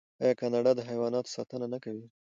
آیا کاناډا د حیواناتو ساتنه نه کوي؟